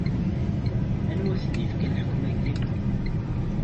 Anwa i k-d-ifkan lḥekma-agi?